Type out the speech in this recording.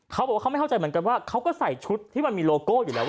เขาบอกว่าเขาไม่เข้าใจเหมือนกันว่าเขาก็ใส่ชุดที่มันมีโลโก้อยู่แล้ว